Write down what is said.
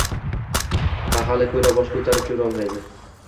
Mahalla-ko‘yda bosh ko‘tarib yurolmayd